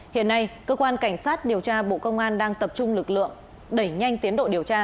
hiện nay cơ quan cảnh sát điều tra bộ công an đang tập trung lực lượng đẩy nhanh tiến độ điều tra